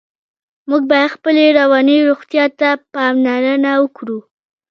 موږ باید خپلې رواني روغتیا ته پاملرنه وکړو.